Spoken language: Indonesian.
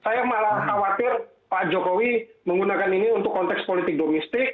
saya malah khawatir pak jokowi menggunakan ini untuk konteks politik domestik